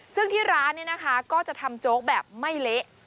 ซึ่งที่ร้านเนี่ยนะคะก็จะทำโจ๊กแบบไม่เละ